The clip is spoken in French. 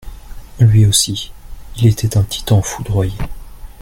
Lui aussi, il etait un Titan foudroyé.